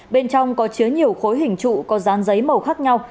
bên trong có chứa nhiều khối hình trụ có dán giấy màu khác nhau